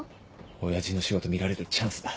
親父の仕事見られるチャンスだ。